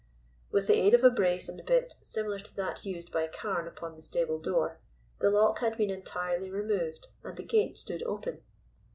With the aid of a brace and bit similar to that used by Carne upon the stable door, the lock had been entirely removed and the gate stood open.